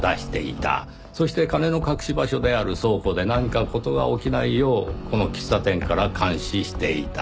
そして金の隠し場所である倉庫で何か事が起きないようこの喫茶店から監視していた。